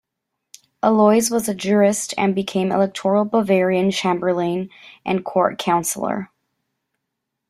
Aloys was a jurist and became electoral Bavarian chamberlain and court councilor.